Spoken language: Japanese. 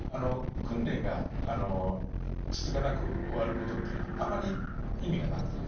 訓練がつつがなく終わる事っていうのはあんまり意味がなくてですね